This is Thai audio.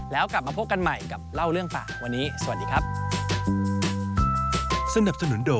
แล้วกลับมาพบกันใหม่กับเล่าเรื่องป่าวันนี้สวัสดีครับ